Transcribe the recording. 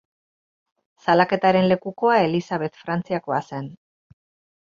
Salaketaren lekukoa Elisabet Frantziakoa zen.